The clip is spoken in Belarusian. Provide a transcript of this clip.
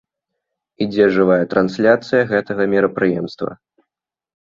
Ідзе жывая трансляцыя гэтага мерапрыемства.